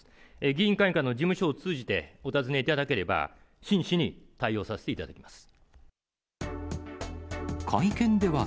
議員会館の事務所を通じて、お尋ねいただければ、真摯に対応させていただきます。